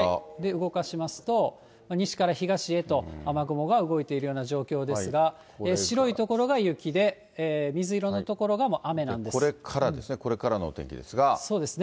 動かしますと、西から東へと雨雲が動いているような状況ですが、白い所が雪で、これからですね、そうですね。